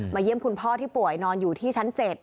เยี่ยมคุณพ่อที่ป่วยนอนอยู่ที่ชั้น๗